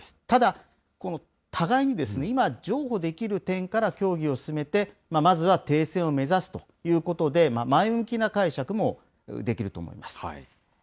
ただ、互いに今、譲歩できる点から協議を進めて、まずは停戦を目指すということで、前向きな解釈もできると思います。